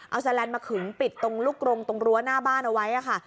เอาแลนด์มาขึงปิดตรงลูกกรงตรงรั้วหน้าบ้านเอาไว้ค่ะ